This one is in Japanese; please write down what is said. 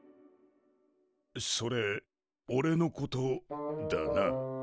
それおれのことだな？